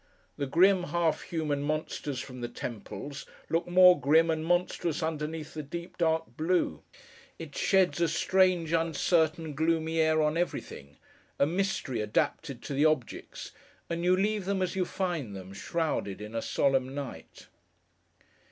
The grim, half human monsters from the temples, look more grim and monstrous underneath the deep dark blue; it sheds a strange uncertain gloomy air on everything—a mystery adapted to the objects; and you leave them, as you find them, shrouded in a solemn night.